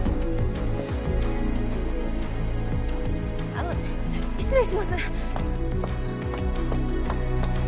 あの失礼します。